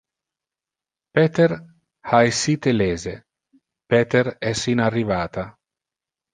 Peter ha essite lese. Peter es in arrivata.